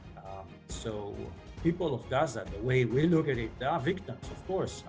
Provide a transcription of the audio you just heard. jadi orang orang gaza cara kita melihatnya mereka adalah pembunuh tentu saja